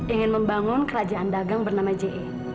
ingin membangun kerajaan dagang bernama je